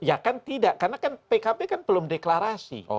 ya kan tidak karena kan pkb kan belum deklarasi